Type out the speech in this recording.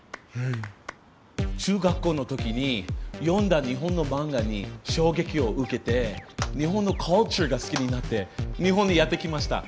中学校の時に読んだ日本の漫画に衝撃を受けて日本のｃｕｌｔｕｒｅが好きになって日本にやってきました。